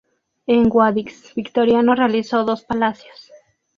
En Guadix, Victoriano realizó dos palacios.